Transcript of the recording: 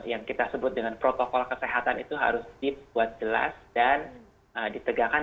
yang kita sebut dengan protokol kesehatan itu harus dibuat jelas dan ditegakkan